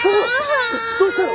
どうしたの！？